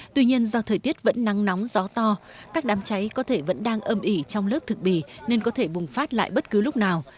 tuy nhiên do thời tiết vẫn nắng nóng gió to các đám cháy có thể vẫn đang âm ỉ trong lớp thực bì nên có thể bùng phát lại bất cứ lúc nào